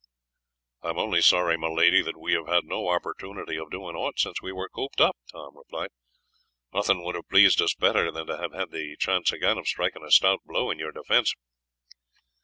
"I am only sorry, my lady, that we have had no opportunity of doing aught since we were cooped up," Tom replied; "nothing would have pleased us better than to have had the chance again of striking a stout blow in your defence."